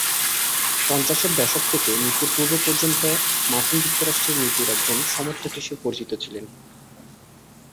পঞ্চাশের দশক থেকে মৃত্যুর পূর্ব পর্যন্ত মার্কিন যুক্তরাষ্ট্রের নীতির একজন সমর্থক হিসেবে পরিচিত ছিলেন।